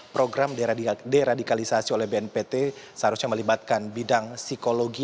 program deradikalisasi oleh bnpt seharusnya melibatkan bidang psikologi